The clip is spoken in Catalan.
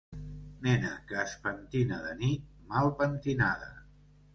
Nena que es pentina de nit, mal pentinada.